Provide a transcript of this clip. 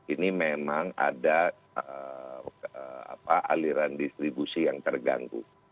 ini memang ada aliran distribusi yang terganggu